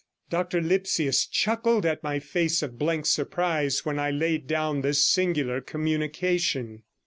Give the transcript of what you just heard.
Dr Lipsius chuckled at my face of blank surprise when I laid down this singular communication.